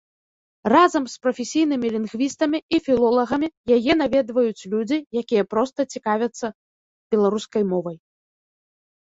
Разам з прафесійнымі лінгвістамі і філолагамі яе наведваюць людзі, якія проста цікавіцца беларускай мовай.